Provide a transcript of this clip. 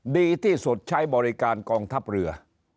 ดีที่สุดใช้บริการกองทัพเรือ